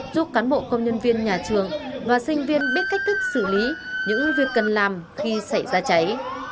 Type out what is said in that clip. giúp cán bộ công nhân viên nhà trường và sinh viên biết cách thức xử lý những việc cần làm khi xảy ra cháy